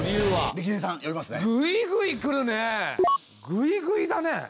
ぐいぐいだねえ。